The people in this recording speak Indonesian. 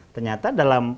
ternyata dalam pandang